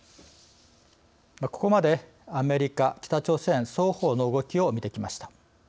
ここまで、アメリカ北朝鮮双方の動きを見てきました。